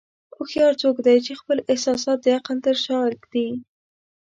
هوښیار څوک دی چې خپل احساسات د عقل تر شا ږدي.